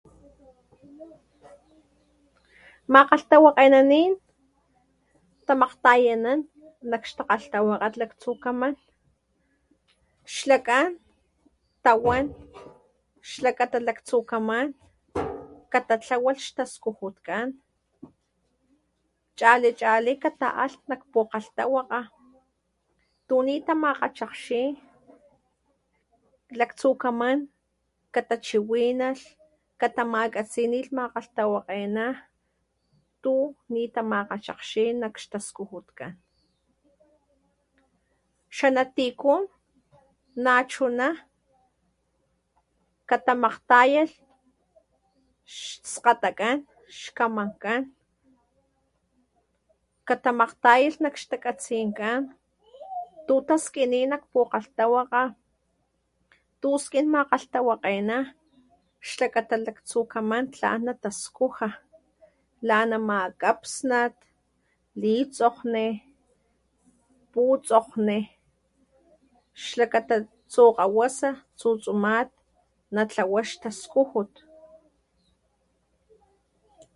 Makgalhtawakganenín tamakgtayanán lakxtakalhtawakgalhak laktsukamán xlaká tawán xlakata laktsukamán katatlawax taskujukán chalí chalí katla akgnakpu kgaltawakga tunit tamamakgatxakxi latsukamán katachiwinalh katamakatsinilh makgalhtawakgena tu nitamakgaxakgxi nak staskujukán xanatikú nachuná katamakgtayalh xskgatakán skamankgán katamakgtay nak xtakatsinkán tu taskiní nak pukgalhtawaka tu skín makgalhtawakgená xlakata laktsukamán tlana taskuja la ana makgapsa litsokgni putsokgni xlakata laktsukgawasa chu chumat na tlawax taskujut